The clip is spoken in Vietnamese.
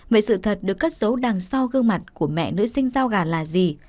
vậy sự thật được cất dấu đằng sau gương mặt của mẹ nữ sinh giao gà là gì